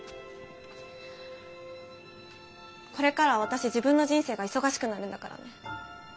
これからは私自分の人生が忙しくなるんだからね。